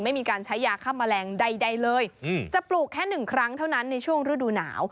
ไม่มีการใช้ยาฆ่าแมลงใดเลยจะปลูกแค่หนึ่งครั้งเท่านั้นในช่วงฤดูหนาว